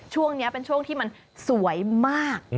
ช่วงนี้เป็นช่วงที่มันสวยมาก